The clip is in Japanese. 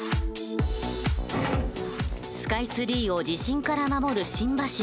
スカイツリーを地震から守る心柱。